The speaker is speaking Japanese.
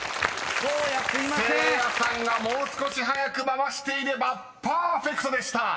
［せいやさんがもう少し早く回していればパーフェクトでした］